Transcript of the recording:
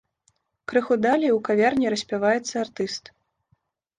Крыху далей у кавярні распяваецца артыст.